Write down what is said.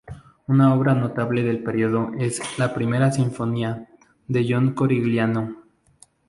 Una obra notable del período es la "Primera sinfonía" de John Corigliano.